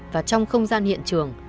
và trong không gian hiện trường